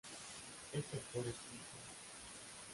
Ese autor existe.